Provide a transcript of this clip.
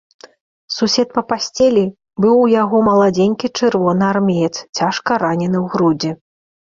Сусед па пасцелі быў у яго маладзенькі чырвонаармеец, цяжка ранены ў грудзі.